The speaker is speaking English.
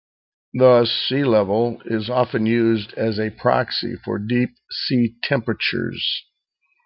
Thus sea level is often used as a proxy for deep sea temperatures.